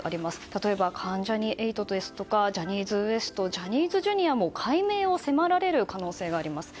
例えば、関ジャニ∞ですとかジャニーズＷＥＳＴジャニーズＪｒ．も改名を迫られる可能性があります。